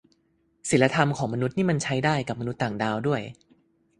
ศีลธรรมของมนุษย์นี่มันใช้ได้กับมนุษย์ต่างดาวด้วย